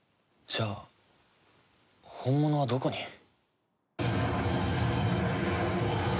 じゃあ本物はどこに？